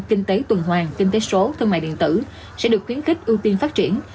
kinh tế tuần hoàng kinh tế số thương mại điện tử sẽ được khuyến khích ưu tiên phát triển